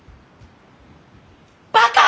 バカ！